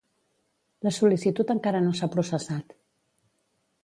La sol·licitud encara no s'ha processat.